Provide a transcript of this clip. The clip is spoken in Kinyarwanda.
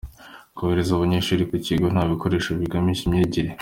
Kohereza abanyeshuri ku bigo nta bikoresho bibangamiye imyigire